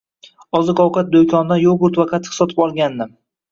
Oziq-ovqat do‘konidan yogurt va qatiq sotib olgandim.